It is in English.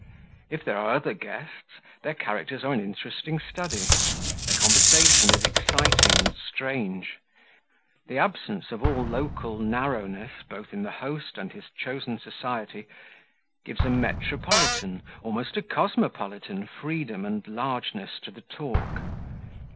If there are other guests, their characters are an interesting study; their conversation is exciting and strange; the absence of all local narrowness both in the host and his chosen society gives a metropolitan, almost a cosmopolitan freedom and largeness to the talk.